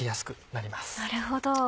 なるほど。